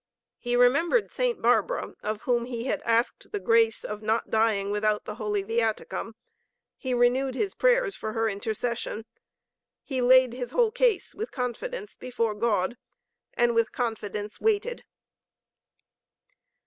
He remembered Saint Barbara, of whom he had asked 'the grace of not dying without the Holy Viaticum. He renewed his prayers for her intercession. He laid his whole case with confidence before God, and with confidence waited.